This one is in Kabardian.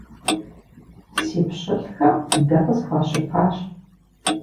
Си пщылӀхэм дэ къысхуащыпащ!